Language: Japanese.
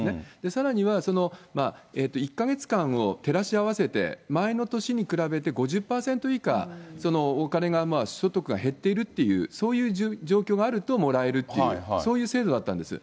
さらにはその、１か月間を照らし合わせて、前の年に比べて５０％以下、お金が所得が減っているっていう、そういう状況があるともらえるっていう、そういう制度だったんです。